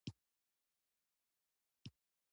د دې لارښود په میلیونونو نسخې پلورل شوي دي.